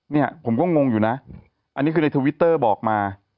เนี่ยผมก็งงอยู่นะอันนี้คือในทวิตเตอร์บอกมา